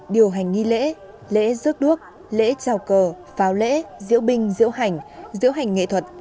điều hành nghi lễ lễ rước đuốc lễ trào cờ pháo lễ diễu binh diễu hành diễu hành nghệ thuật